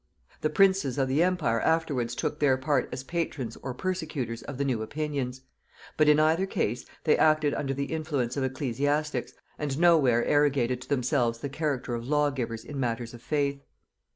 The princes of the empire afterwards took their part as patrons or persecutors of the new opinions; but in either case they acted under the influence of ecclesiastics, and no where arrogated to themselves the character of lawgivers in matters of faith.